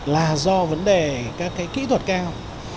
là do vấn đề các kỹ thuật cao